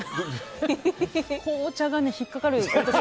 紅茶が引っかかる。